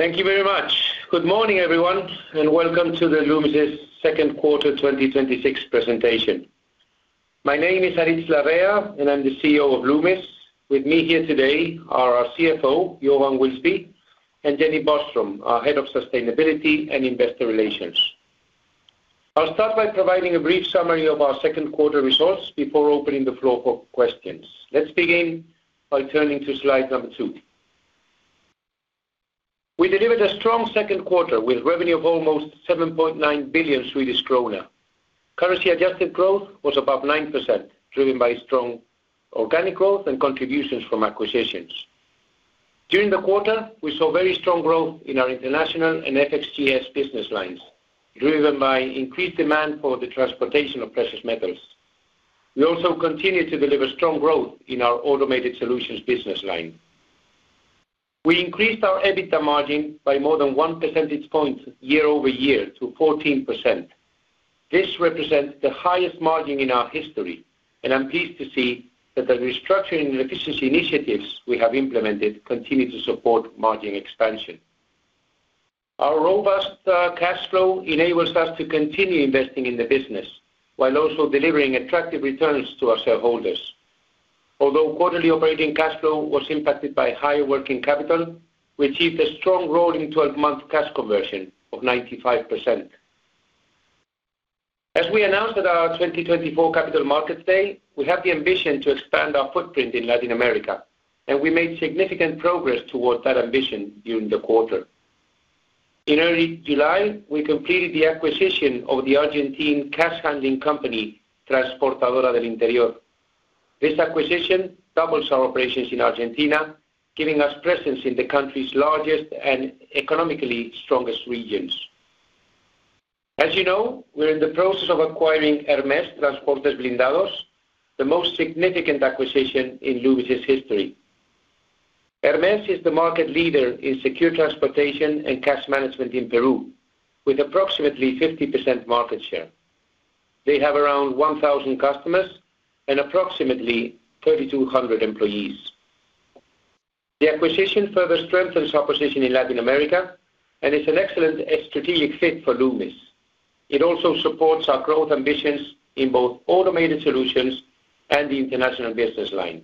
Thank you very much. Good morning, everyone, and welcome to Loomis's second quarter 2026 presentation. My name is Aritz Larrea, and I'm the Chief Executive Officer of Loomis. With me here today are our Chief Financial Officer, Johan Wilsby, and Jenny Boström, our Head of Sustainability and Investor Relations. I'll start by providing a brief summary of our second quarter results before opening the floor for questions. Let's begin by turning to slide number two. We delivered a strong second quarter with revenue of almost 7.9 billion Swedish kronor. Currency-adjusted growth was above 9%, driven by strong organic growth and contributions from acquisitions. During the quarter, we saw very strong growth in our International and FXGS business lines, driven by increased demand for the transportation of precious metals. We also continued to deliver strong growth in our Automated Solutions business line. We increased our EBITDA margin by more than one percentage point year-over-year to 14%. This represents the highest margin in our history, and I'm pleased to see that the restructuring and efficiency initiatives we have implemented continue to support margin expansion. Our robust cash flow enables us to continue investing in the business while also delivering attractive returns to our shareholders. Although quarterly operating cash flow was impacted by higher working capital, we achieved a strong rolling 12-month cash conversion of 95%. As we announced at our 2024 Capital Markets Day, we have the ambition to expand our footprint in Latin America, and we made significant progress towards that ambition during the quarter. In early July, we completed the acquisition of the Argentine cash handling company, Transportadora del Interior. This acquisition doubles our operations in Argentina, giving us presence in the country's largest and economically strongest regions. As you know, we're in the process of acquiring Hermes Transportes Blindados, the most significant acquisition in Loomis's history. Hermes is the market leader in secure transportation and cash management in Peru, with approximately 50% market share. They have around 1,000 customers and approximately 3,200 employees. The acquisition further strengthens our position in Latin America and is an excellent strategic fit for Loomis. It also supports our growth ambitions in both Automated Solutions and the International business line.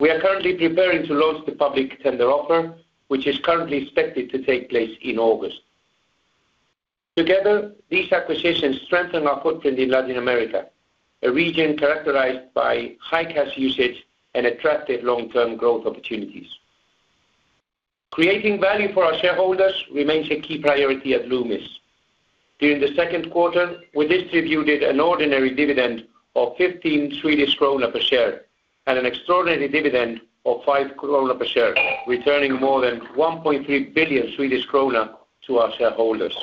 We are currently preparing to launch the public tender offer, which is currently expected to take place in August. Together, these acquisitions strengthen our footprint in Latin America, a region characterized by high cash usage and attractive long-term growth opportunities. Creating value for our shareholders remains a key priority at Loomis. During the second quarter, we distributed an ordinary dividend of 15 Swedish krona per share and an extraordinary dividend of 5 krona per share, returning more than 1.3 billion Swedish krona to our shareholders.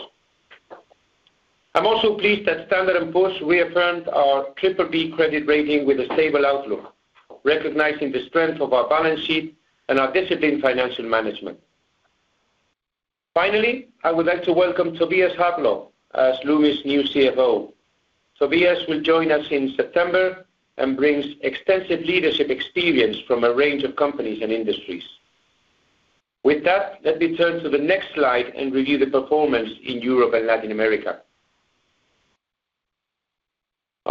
I'm also pleased that Standard & Poor's reaffirmed our BBB credit rating with a stable outlook, recognizing the strength of our balance sheet and our disciplined financial management. Finally, I would like to welcome Tobias Hägglöv as Loomis's new Chief Financial Officer. Tobias will join us in September and brings extensive leadership experience from a range of companies and industries. With that, let me turn to the next slide and review the performance in Europe and Latin America.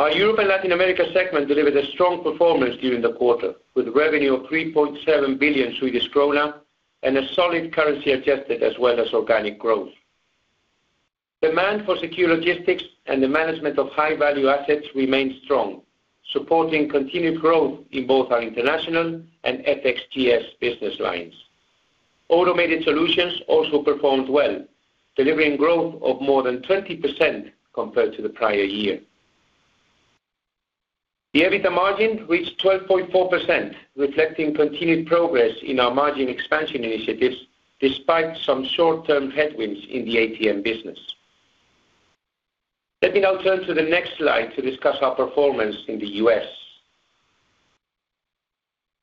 Our Europe and Latin America segment delivered a strong performance during the quarter, with revenue of 3.7 billion Swedish krona and a solid currency-adjusted as well as organic growth. Demand for secure logistics and the management of high-value assets remained strong, supporting continued growth in both our international and FXGS business lines. Automated Solutions also performed well, delivering growth of more than 20% compared to the prior year. The EBITDA margin reached 12.4%, reflecting continued progress in our margin expansion initiatives despite some short-term headwinds in the ATM business. Let me now turn to the next slide to discuss our performance in the U.S.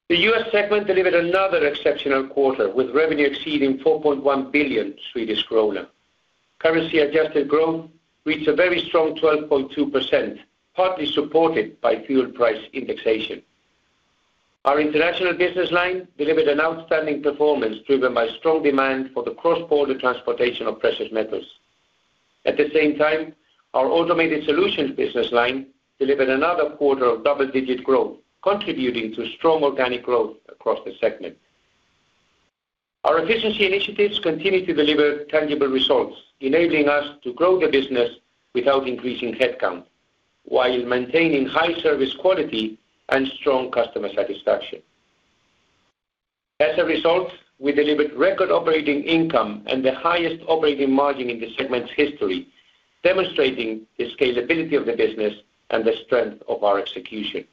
The U.S. segment delivered another exceptional quarter with revenue exceeding 4.1 billion Swedish kronor. Currency-adjusted growth reached a very strong 12.2%, partly supported by fuel price indexation. Our international business line delivered an outstanding performance driven by strong demand for the cross-border transportation of precious metals. At the same time, our Automated Solutions business line delivered another quarter of double-digit growth, contributing to strong organic growth across the segment. Our efficiency initiatives continue to deliver tangible results, enabling us to grow the business without increasing headcount, while maintaining high service quality and strong customer satisfaction. As a result, we delivered record operating income and the highest operating margin in the segment's history, demonstrating the scalability of the business and the strength of our execution.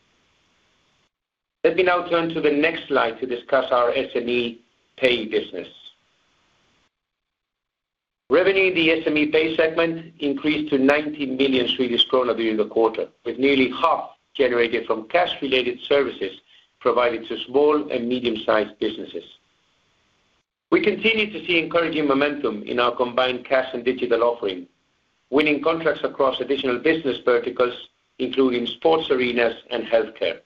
Let me now turn to the next slide to discuss our SME/Pay business. Revenue in the SME/Pay segment increased to 90 million Swedish krona during the quarter, with nearly half generated from cash-related services provided to small and medium-sized businesses. We continue to see encouraging momentum in our combined cash and digital offering, winning contracts across additional business verticals, including sports arenas and healthcare.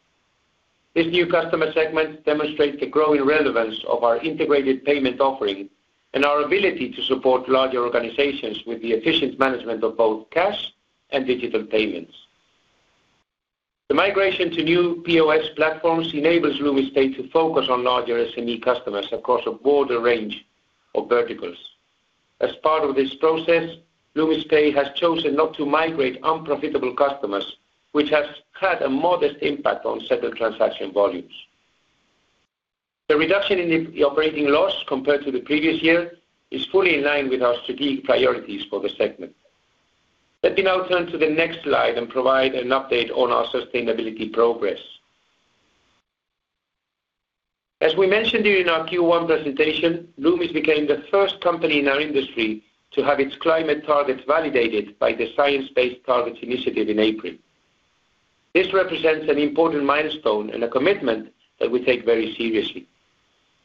This new customer segment demonstrates the growing relevance of our integrated payment offering and our ability to support larger organizations with the efficient management of both cash and digital payments. The migration to new POS platforms enables Loomis Pay to focus on larger SME customers across a broader range of verticals. As part of this process, Loomis Pay has chosen not to migrate unprofitable customers, which has had a modest impact on several transaction volumes. The reduction in the operating loss compared to the previous year is fully in line with our strategic priorities for the segment. Let me now turn to the next slide and provide an update on our sustainability progress. As we mentioned during our Q1 presentation, Loomis became the first company in our industry to have its climate targets validated by the Science-Based Targets initiative in April. This represents an important milestone and a commitment that we take very seriously.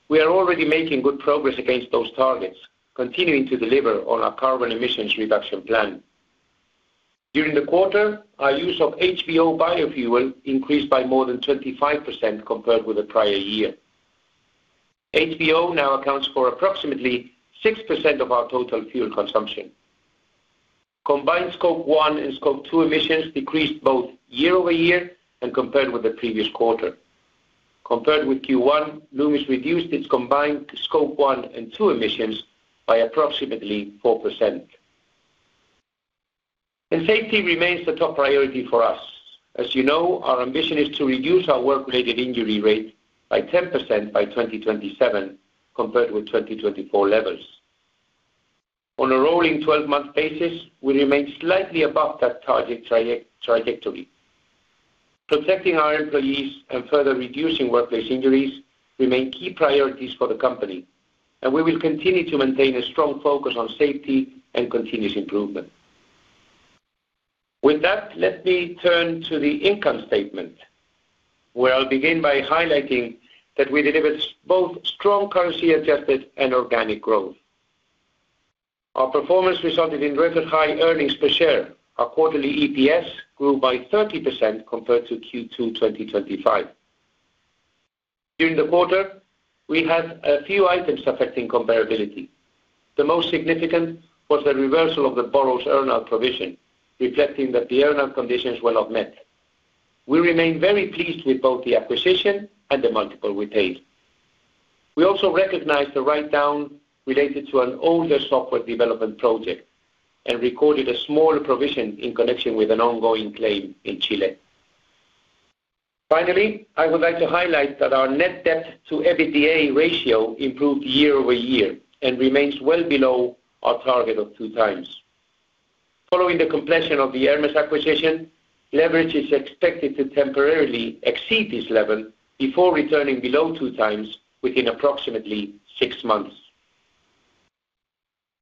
We are already making good progress against those targets, continuing to deliver on our carbon emissions reduction plan. During the quarter, our use of HVO biofuel increased by more than 25% compared with the prior year. HVO now accounts for approximately 6% of our total fuel consumption. Combined Scope 1 and Scope 2 emissions decreased both year-over-year and compared with the previous quarter. Compared with Q1, Loomis reduced its combined Scope 1 and Scope 2 emissions by approximately 4%. Safety remains the top priority for us. As you know, our ambition is to reduce our work-related injury rate by 10% by 2027 compared with 2024 levels. On a rolling 12-month basis, we remain slightly above that target trajectory. Protecting our employees and further reducing workplace injuries remain key priorities for the company, and we will continue to maintain a strong focus on safety and continuous improvement. With that, let me turn to the income statement, where I'll begin by highlighting that we delivered both strong currency adjusted and organic growth. Our performance resulted in record high earnings per share. Our quarterly EPS grew by 30% compared to Q2 2025. During the quarter, we had a few items affecting comparability. The most significant was the reversal of the Burroughs earn-out provision, reflecting that the earn-out conditions were not met. We remain very pleased with both the acquisition and the multiple we paid. We also recognized the write-down related to an older software development project and recorded a small provision in connection with an ongoing claim in Chile. Finally, I would like to highlight that our net debt to EBITDA ratio improved year-over-year and remains well below our target of 2x. Following the completion of the Hermes acquisition, leverage is expected to temporarily exceed this level before returning below 2x within approximately six months.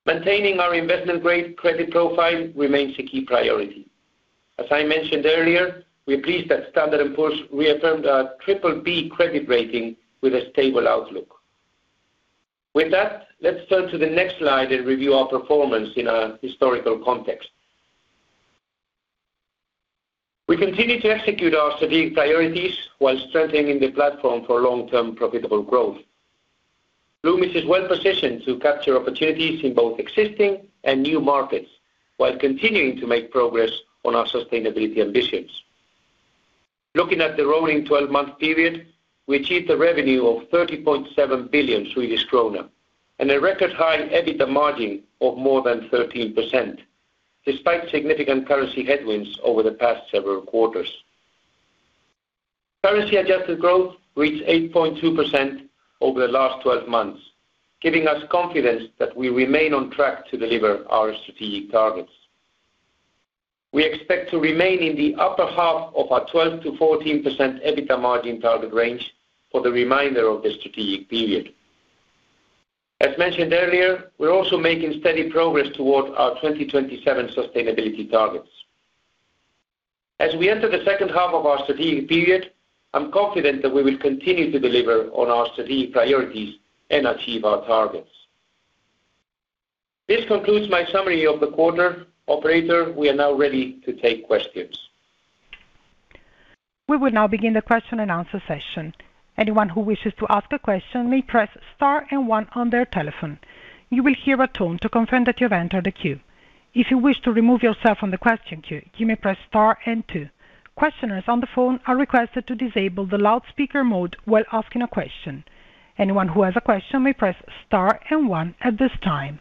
Maintaining our investment-grade credit profile remains a key priority. As I mentioned earlier, we're pleased that Standard & Poor's reaffirmed our BBB credit rating with a stable outlook. With that, let's turn to the next slide and review our performance in a historical context. We continue to execute our strategic priorities while strengthening the platform for long-term profitable growth. Loomis is well-positioned to capture opportunities in both existing and new markets while continuing to make progress on our sustainability ambitions. Looking at the rolling 12-month period, we achieved a revenue of 30.7 billion Swedish kronor and a record high EBITDA margin of more than 13%, despite significant currency headwinds over the past several quarters. Currency adjusted growth reached 8.2% over the last 12 months, giving us confidence that we remain on track to deliver our strategic targets. We expect to remain in the upper half of our 12%-14% EBITDA margin target range for the remainder of the strategic period. As mentioned earlier, we're also making steady progress toward our 2027 sustainability targets. As we enter the second half of our strategic period, I'm confident that we will continue to deliver on our strategic priorities and achieve our targets. This concludes my summary of the quarter. Operator, we are now ready to take questions. We will now begin the question and answer session. Anyone who wishes to ask a question may press star and one on their telephone. You will hear a tone to confirm that you've entered a queue. If you wish to remove yourself from the question queue, you may press star and two. Questioners on the phone are requested to disable the loudspeaker mode while asking a question. Anyone who has a question may press star and one at this time.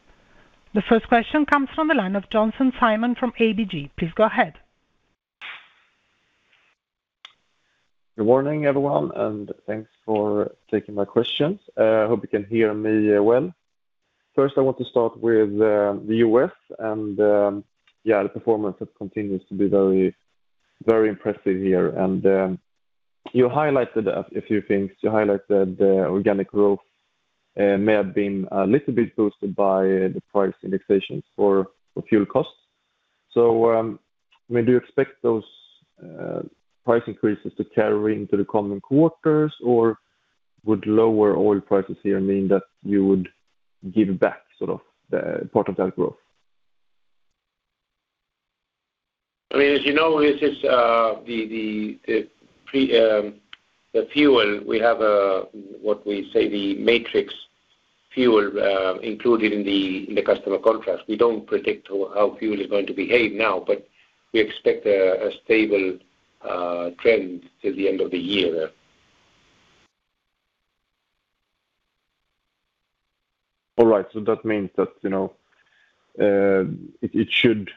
The first question comes from the line of Simon Jönsson from ABG. Please go ahead. Good morning, everyone, and thanks for taking my questions. I hope you can hear me well. First, I want to start with the U.S. and the performance that continues to be very impressive here. You highlighted a few things. You highlighted the organic growth may have been a little bit boosted by the price indexations for fuel costs. Do you expect those price increases to carry into the coming quarters, or would lower oil prices here mean that you would give back sort of the part of that growth? As you know, the fuel, we have what we say the matrix fuel included in the customer contracts. We don't predict how fuel is going to behave now, but we expect a stable trend till the end of the year. All right. That means that it should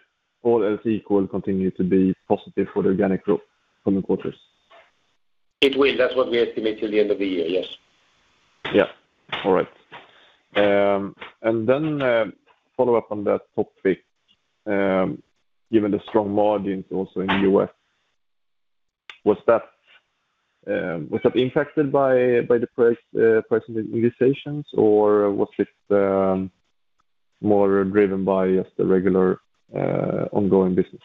all else equal continue to be positive for the organic growth coming quarters. It will. That's what we estimate till the end of the year. Yes. Yeah. All right. Follow up on that topic. Given the strong margins also in the U.S., was that impacted by the price indexations or was it more driven by just the regular ongoing business?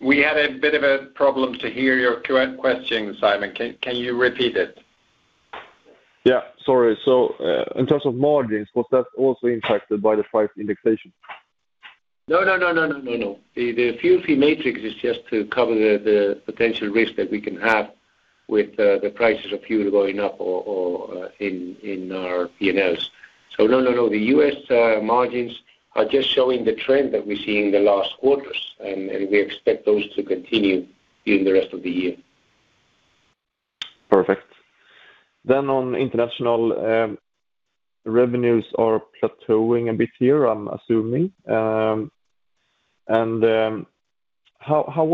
We had a bit of a problem to hear your question, Simon. Can you repeat it? Yeah, sorry. In terms of margins, was that also impacted by the price indexation? No. The fuel fee matrix is just to cover the potential risk that we can have with the prices of fuel going up or in our P&Ls. No. The U.S. margins are just showing the trend that we see in the last quarters, and we expect those to continue during the rest of the year. Perfect. On international revenues are plateauing a bit here, I'm assuming. How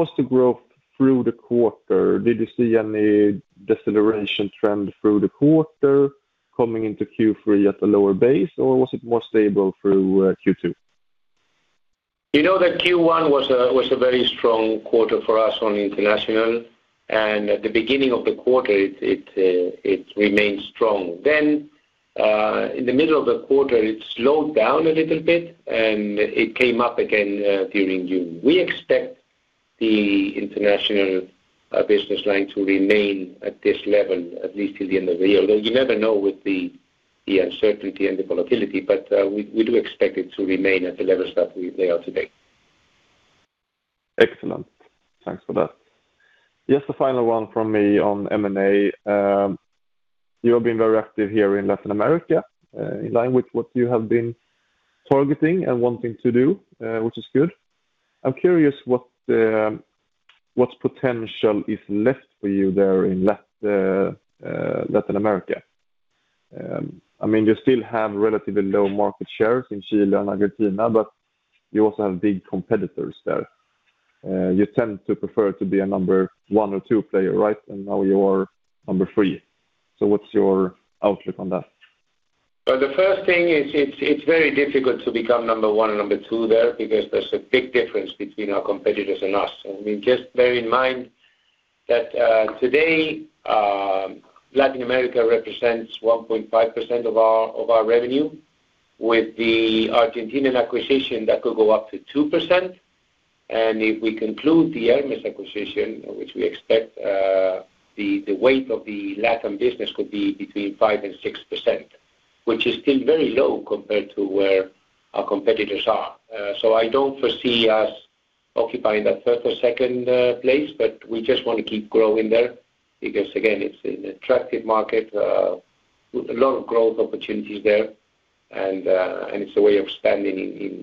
was the growth through the quarter? Did you see any deceleration trend through the quarter coming into Q3 at a lower base, or was it more stable through Q2? You know that Q1 was a very strong quarter for us on international, and at the beginning of the quarter, it remained strong. In the middle of the quarter, it slowed down a little bit, and it came up again during June. We expect the international business line to remain at this level at least till the end of the year, though you never know with the uncertainty and the volatility. We do expect it to remain at the levels that they are today. Excellent. Thanks for that. Just a final one from me on M&A. You have been very active here in Latin America, in line with what you have been targeting and wanting to do, which is good. I'm curious what potential is left for you there in Latin America. You still have relatively low market shares in Chile and Argentina, but you also have big competitors there. You tend to prefer to be a number one or two player, right? Now you are number three. What's your outlook on that? The first thing is it's very difficult to become number one or number two there because there's a big difference between our competitors and us. Just bear in mind that today, Latin America represents 1.5% of our revenue. With the Argentinian acquisition, that could go up to 2%. If we conclude the Hermes acquisition, which we expect, the weight of the LatAm business could be between 5% and 6%, which is still very low compared to where our competitors are. I don't foresee us occupying that first or second place, but we just want to keep growing there because, again, it's an attractive market with a lot of growth opportunities there. It's a way of spending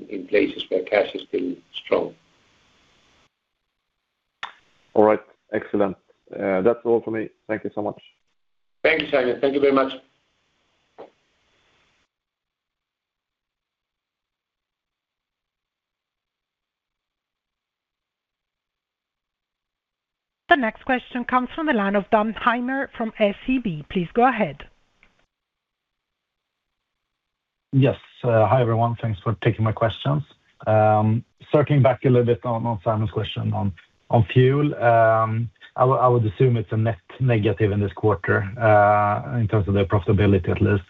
in places where cash is still strong. All right. Excellent. That's all for me. Thank you so much. Thank you, Simon. Thank you very much. The next question comes from the line of Dan Heimer from SEB. Please go ahead. Yes. Hi, everyone. Thanks for taking my questions. Circling back a little bit on Simon's question on fuel. I would assume it's a net negative in this quarter, in terms of the profitability, at least.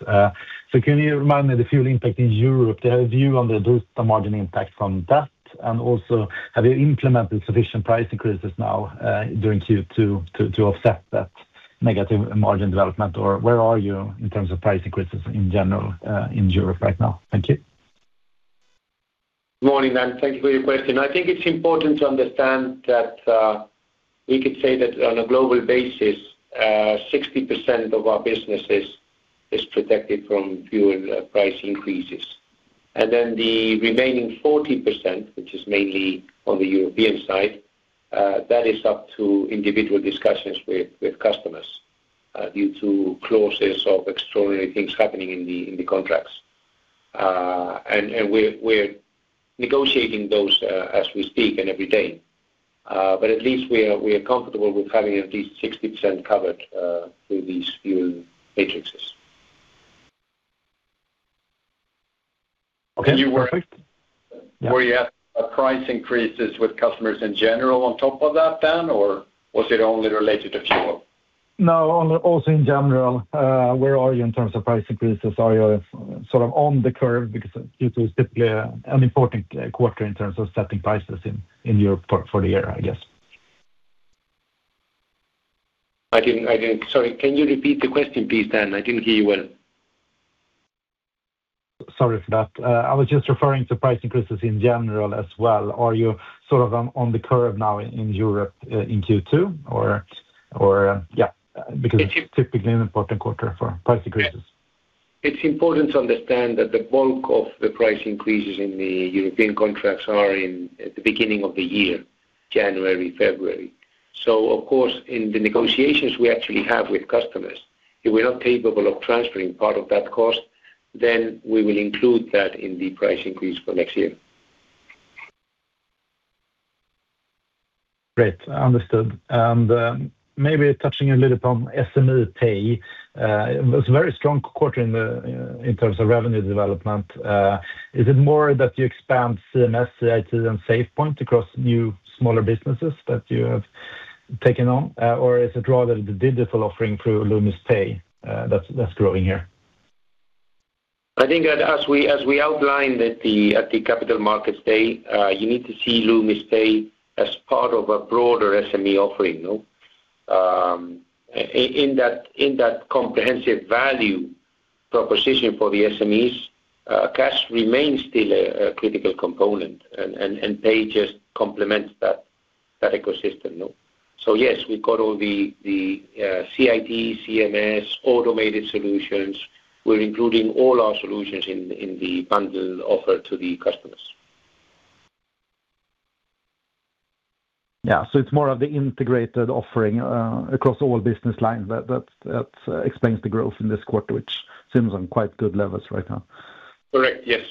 Can you remind me the fuel impact in Europe? Do you have a view on the margin impact from that? Also, have you implemented sufficient price increases now during Q2 to offset that negative margin development, or where are you in terms of price increases in general, in Europe right now? Thank you. Morning, Dan. Thank you for your question. I think it's important to understand that we could say that on a global basis, 60% of our businesses is protected from fuel price increases. The remaining 40%, which is mainly on the European side, that is up to individual discussions with customers, due to clauses of extraordinary things happening in the contracts. We're negotiating those as we speak and every day. At least we are comfortable with having at least 60% covered through these fuel matrixes. Okay. Perfect. Were you at price increases with customers in general on top of that then, or was it only related to fuel? No, also in general, where are you in terms of price increases? Are you sort of on the curve because Q2 is typically an important quarter in terms of setting prices in Europe for the year, I guess. I didn't. Sorry, can you repeat the question, please, Dan? I didn't hear you well. Sorry for that. I was just referring to price increases in general as well. Are you on the curve now in Europe in Q2? Yeah, because it's typically an important quarter for price increases. Yeah. It's important to understand that the bulk of the price increases in the European contracts are at the beginning of the year, January, February. Of course, in the negotiations we actually have with customers, if we're not capable of transferring part of that cost, then we will include that in the price increase for next year. Great. Understood. Maybe touching a little on SME/Pay. It was a very strong quarter in terms of revenue development. Is it more that you expand CMS, CIT and SafePoint across new smaller businesses that you have taken on? Or is it rather the digital offering through Loomis Pay that's growing here? As we outlined at the capital markets day, you need to see Loomis Pay as part of a broader SME offering. In that comprehensive value proposition for the SMEs, cash remains still a critical component, and Pay just complements that ecosystem. Yes, we've got all the CIT, CMS, Automated Solutions. We're including all our solutions in the bundle offer to the customers. It's more of the integrated offering across all business lines that explains the growth in this quarter, which seems on quite good levels right now. Correct. Yes.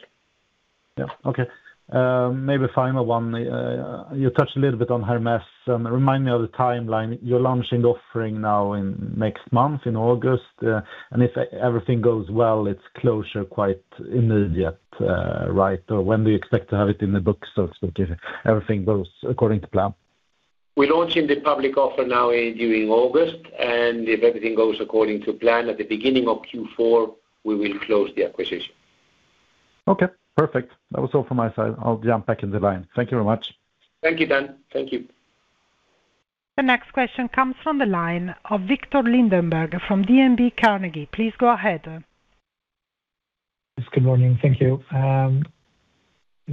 Maybe final one. You touched a little bit on Hermes. Remind me of the timeline. You're launching the offering now in next month, in August. If everything goes well, it's closure quite immediate, right? When do you expect to have it in the books, sort of speaking, everything goes according to plan? We're launching the public offer now during August, and if everything goes according to plan, at the beginning of Q4, we will close the acquisition. Okay, perfect. That was all from my side. I'll jump back in the line. Thank you very much. Thank you, Dan. Thank you. The next question comes from the line of Viktor Lindeberg from DNB Carnegie. Please go ahead. Yes, good morning. Thank you.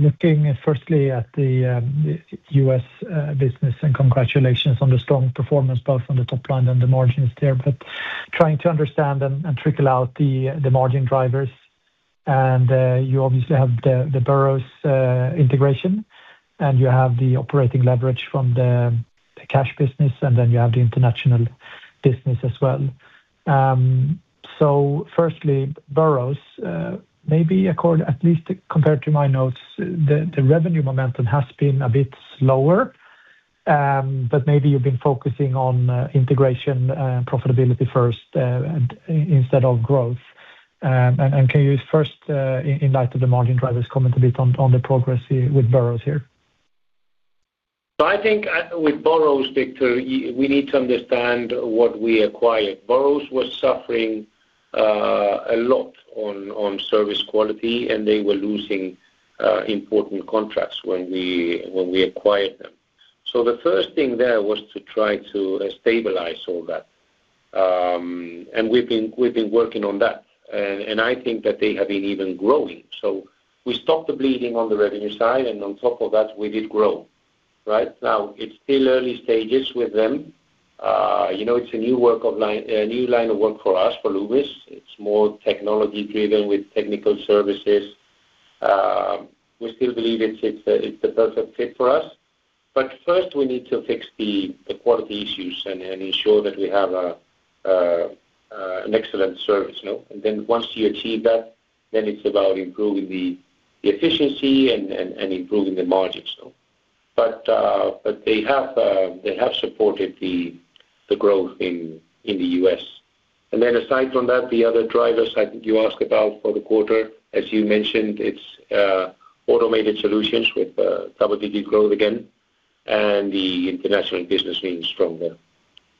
Looking firstly at the U.S. business, congratulations on the strong performance both on the top line and the margins there. Trying to understand and trickle out the margin drivers, you obviously have the Burroughs integration, you have the operating leverage from the cash business, you have the international business as well. Firstly, Burroughs, maybe at least compared to my notes, the revenue momentum has been a bit slower. Maybe you've been focusing on integration profitability first instead of growth. Can you first, in light of the margin drivers, comment a bit on the progress with Burroughs here? I think with Burroughs, Viktor, we need to understand what we acquired. Burroughs was suffering a lot on service quality, and they were losing important contracts when we acquired them. The first thing there was to try to stabilize all that. We've been working on that. I think that they have been even growing. We stopped the bleeding on the revenue side, on top of that, we did grow. Right? Now, it's still early stages with them. It's a new line of work for us, for Loomis. It's more technology-driven with technical services. We still believe it's the perfect fit for us. First, we need to fix the quality issues and ensure that we have an excellent service. Once you achieve that, then it's about improving the efficiency and improving the margins. They have supported the growth in the U.S. Aside from that, the other drivers I think you asked about for the quarter, as you mentioned, it's Automated Solutions with double-digit growth again, and the international business being stronger.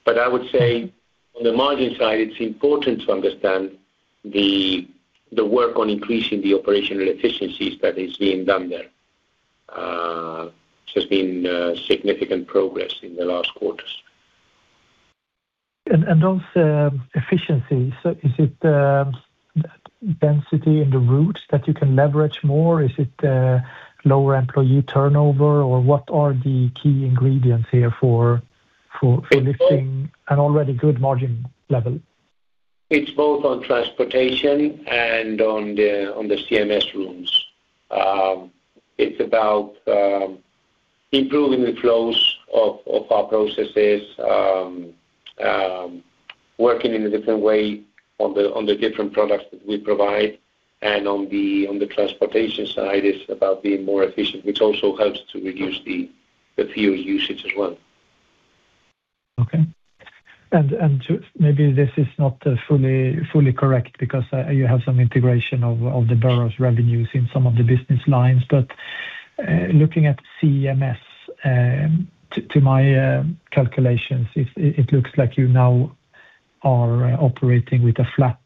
I would say on the margin side, it's important to understand the work on increasing the operational efficiencies that is being done there. There's been significant progress in the last quarters. On efficiency, is it the density in the routes that you can leverage more? Is it lower employee turnover? Or what are the key ingredients here for lifting an already good margin level? It's both on transportation and on the CMS rooms. It's about improving the flows of our processes, working in a different way on the different products that we provide. On the transportation side, it's about being more efficient, which also helps to reduce the fuel usage as well. Okay. Maybe this is not fully correct because you have some integration of the Burroughs revenues in some of the business lines. Looking at CMS, to my calculations, it looks like you now are operating with a flat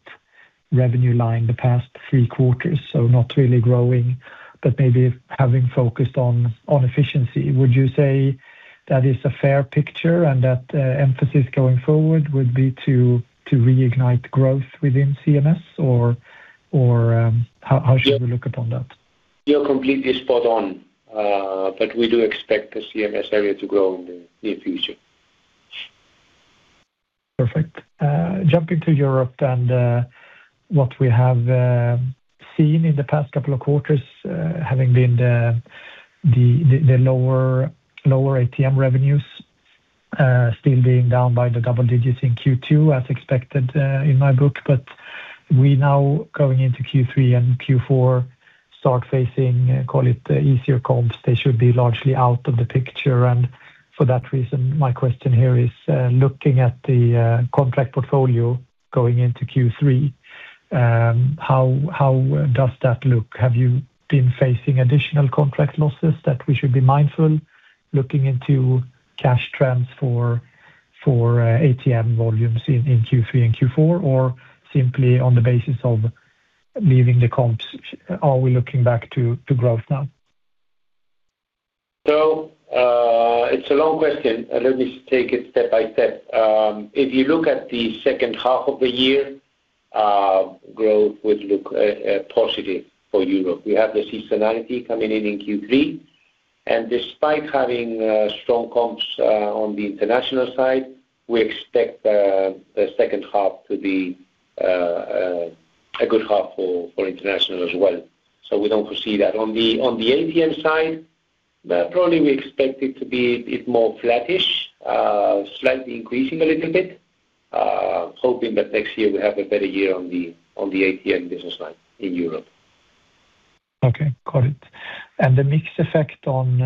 revenue line the past three quarters, so not really growing, but maybe having focused on efficiency. Would you say that is a fair picture and that the emphasis going forward would be to reignite growth within CMS, or how should we look upon that? You're completely spot on. We do expect the CMS area to grow in the near future. Perfect. Jumping to Europe and what we have seen in the past couple of quarters, having been the lower ATM revenues still being down by the double digits in Q2 as expected in my book. We now, going into Q3 and Q4, start facing, call it, easier comps. They should be largely out of the picture. For that reason, my question here is, looking at the contract portfolio going into Q3, how does that look? Have you been facing additional contract losses that we should be mindful, looking into cash trends for ATM volumes in Q3 and Q4? Simply on the basis of leaving the comps, are we looking back to growth now? It's a long question. Let me take it step by step. If you look at the second half of the year, growth would look positive for Europe. We have the seasonality coming in in Q3, and despite having strong comps on the international side, we expect the second half to be a good half for international as well. We don't foresee that. On the ATM side, probably we expect it to be a bit more flattish, slightly increasing a little bit. Hoping that next year we have a better year on the ATM business line in Europe. Okay. Got it. The mix effect on,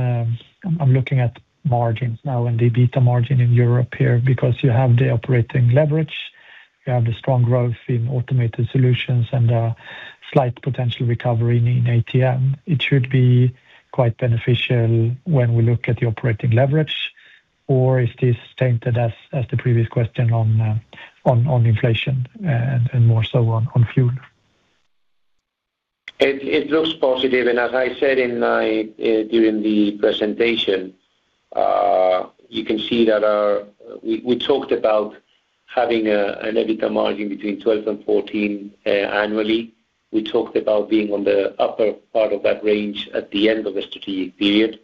I'm looking at margins now and the EBITA margin in Europe here, because you have the operating leverage, you have the strong growth in Automated Solutions and a slight potential recovery needing ATM. It should be quite beneficial when we look at the operating leverage, or is this tainted as the previous question on inflation and more so on fuel? It looks positive, and as I said during the presentation, you can see that we talked about having an EBITDA margin between 12 and 14 annually. We talked about being on the upper part of that range at the end of the strategic period.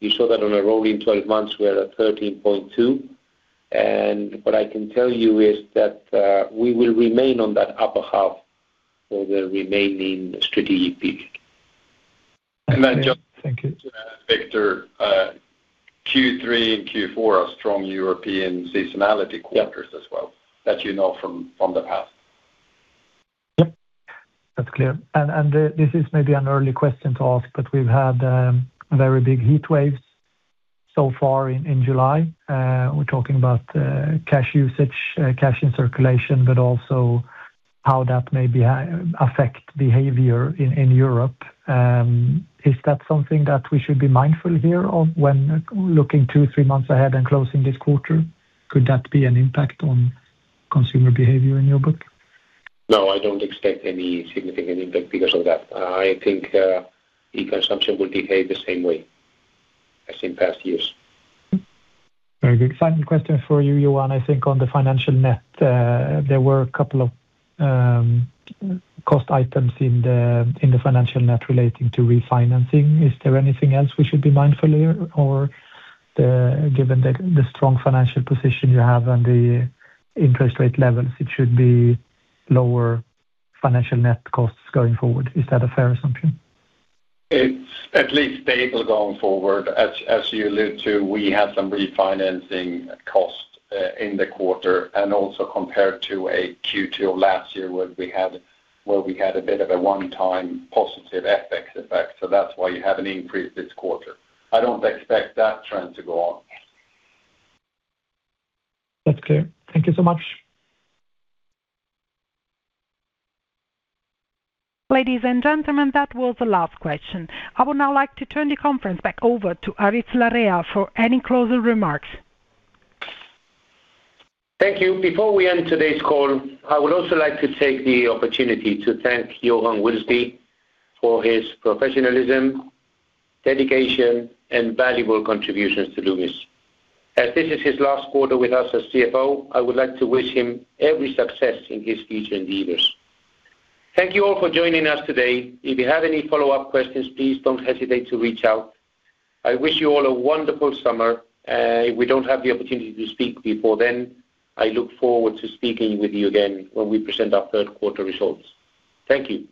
You saw that on a rolling 12 months, we are at 13.2. What I can tell you is that we will remain on that upper half for the remaining strategic peak. Thank you. Viktor, Q3 and Q4 are strong European seasonality quarters as well, that you know from the past. Yep. That's clear. This is maybe an early question to ask. We've had very big heat waves so far in July. We're talking about cash usage, cash in circulation, but also how that may affect behavior in Europe. Is that something that we should be mindful here of when looking two, three months ahead and closing this quarter? Could that be an impact on consumer behavior in your book? No, I don't expect any significant impact because of that. I think e-consumption will behave the same way as in past years. Very good. Final question for you, Johan. I think on the financial net, there were a couple of cost items in the financial net relating to refinancing. Is there anything else we should be mindful here? Given the strong financial position you have and the interest rate levels, it should be lower financial net costs going forward. Is that a fair assumption? It's at least stable going forward. As you allude to, we had some refinancing cost in the quarter, and also compared to a Q2 of last year where we had a bit of a one-time positive FX effect. That's why you have an increase this quarter. I don't expect that trend to go on. That's clear. Thank you so much. Ladies and gentlemen, that was the last question. I would now like to turn the conference back over to Aritz Larrea for any closing remarks. Thank you. Before we end today's call, I would also like to take the opportunity to thank Johan Wilsby for his professionalism, dedication, and valuable contributions to Loomis. As this is his last quarter with us as Chief Financial Officer, I would like to wish him every success in his future endeavors. Thank you all for joining us today. If you have any follow-up questions, please don't hesitate to reach out. I wish you all a wonderful summer. If we don't have the opportunity to speak before then, I look forward to speaking with you again when we present our third quarter results. Thank you.